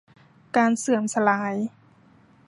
การเสื่อมสลาย